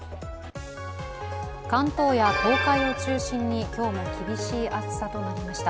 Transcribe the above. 関東や東海を中心に今日も厳しい暑さとなりました。